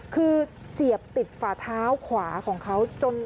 คือเสียบติดฝาเท้าขวาของเขาจน